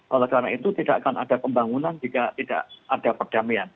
oleh karena itu tidak akan ada pembangunan jika tidak ada perdamaian